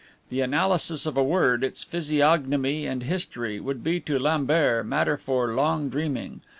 The analysis of a word, its physiognomy and history, would be to Lambert matter for long dreaming.